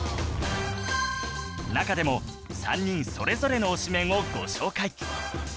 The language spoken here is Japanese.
中でも３人それぞれの推しメンをご紹介